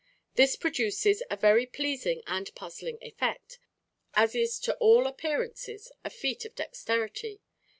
This produces a very pleasing and puzzling effect, and is to all appearances a feat of dexterity.